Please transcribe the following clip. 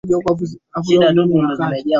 Ukimpata anayekuthamini, mtunze.